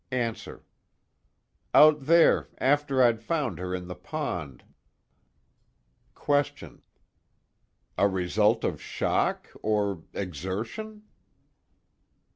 ANSWER: Out there, after I'd found her in the pond. QUESTION: A result of shock, or exertion?